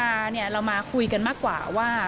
เรามาคุยกันมากกว่าว่า